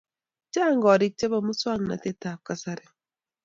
Chang chorik chepo muswak natet ab kasari